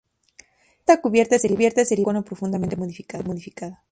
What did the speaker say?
Esta cubierta es derivada de un cono profundamente modificado.